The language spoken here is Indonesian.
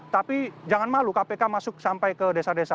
tapi jangan malu kpk masuk sampai ke desa desa